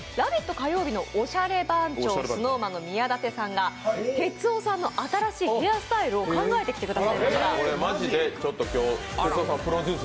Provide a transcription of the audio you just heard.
火曜日のおしゃれ番長ＳｎｏｗＭａｎの宮舘さんが哲夫さんの新しいヘアスタイルを考えてきてくださいました。